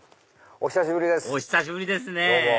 お久しぶりですね